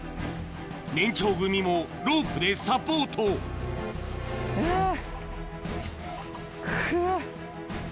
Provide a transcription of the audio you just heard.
年長組もロープでサポートあぁ。かぁ。